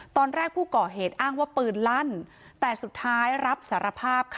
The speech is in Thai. ตอนแรกผู้ก่อเหตุอ้างว่าปืนลั่นแต่สุดท้ายรับสารภาพค่ะ